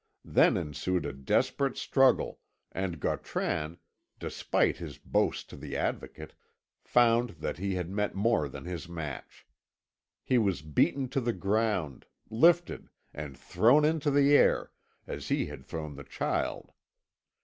Then ensued a desperate struggle, and Gautran, despite his boast to the Advocate, found that he had met more than his match. He was beaten to the ground, lifted, and thrown into the air, as he had thrown the child.